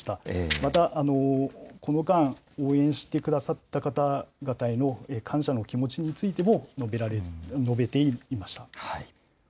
また、この間、応援してくださった方々への感謝の気持ちについても、述べていました。